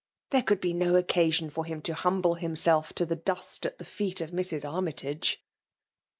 Tbere couU be no occasion for him to humble Umidf to tlie dust at the feet of Mrs. Ax mytage.